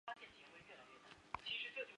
清晰语言的敌人是不诚实。